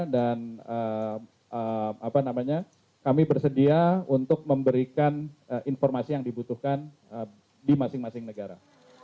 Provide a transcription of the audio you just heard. dan kami bersedia untuk memberikan informasi yang dibutuhkan di masing masing negara